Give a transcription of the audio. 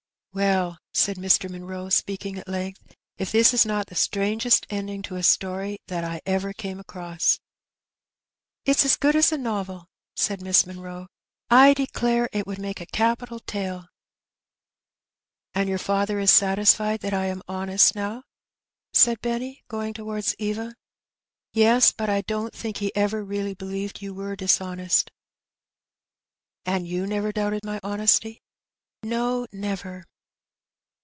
Recognition. 261 "Well/' said Mr. Munroe, speaking at length, ''if this is not the strangest ending to a story that I ever came across !'' ''It's as good as a novel/' said Miss Munroe. "I declare it wonld make a capital tale.'' " And your father is satisfied that I am honest now ?" said Benny, going towards Eva. "Yes; but I don't think that he ever really believed you were dishonest." " And you never doubted my honesty ?" "No, never."